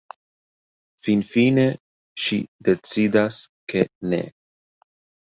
Finfine ŝi decidas, ke «Ne.